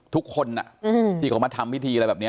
ทุกคนที่เขามาทำพิธีอะไรแบบนี้